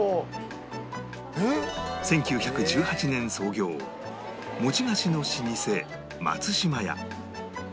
１９１８年創業餅菓子の老舗松島屋